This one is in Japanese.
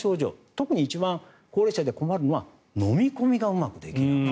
特に一番高齢者で困るのは飲み込みがうまくできない。